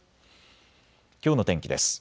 きょうの天気です。